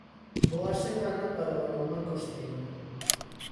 Boa semana para o balonmán costeiro.